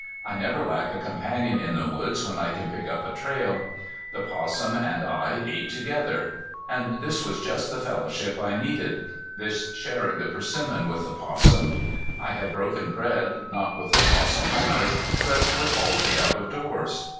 I never lack a companion in the woods when I can pick up a trail. The 'possum and I ate together. And this was just the fellowship I needed, this sharing the persimmons with the 'possum. I had broken bread, not with the 'possum only, but with all the out of doors.